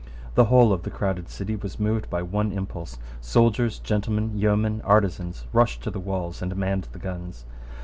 The whole of the crowded city was moved by one impulse. Soldiers, gentlemen, yeomen, artisans, rushed to the walls and manned the guns.